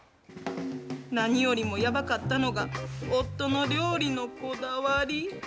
何よりもやばかったのが、夫の料理のこだわり。